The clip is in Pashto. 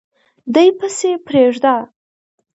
دی پسي پریږده